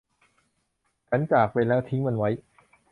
ฉันจากไปแล้วทิ้งมันไว้